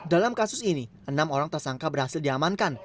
dalam kasus ini enam orang tersangka berhasil diamankan